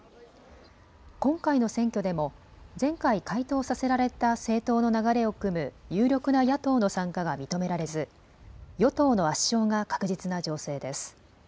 今回の選挙でも前回、解党させられた政党の流れをくむ有力な野党の参加が認められず与党の圧勝が確実な情勢です。